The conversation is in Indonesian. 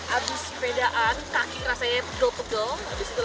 abis sepedaan kaki rasanya pegel pegel